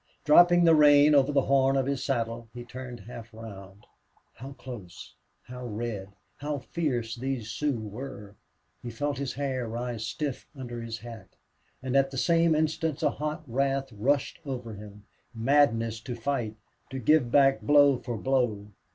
Dropping the rein over the horn of his saddle, he turned half round. How close, how red, how fierce these Sioux were! He felt his hair rise stiff under his hat. And at the same instant a hot wrath rushed over him, madness to fight, to give back blow for blow.